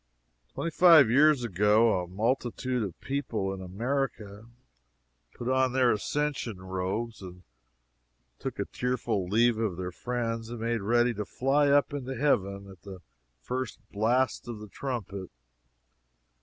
Twenty five years ago, a multitude of people in America put on their ascension robes, took a tearful leave of their friends, and made ready to fly up into heaven at the first blast of the trumpet.